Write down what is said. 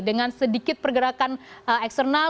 dengan sedikit pergerakan eksternal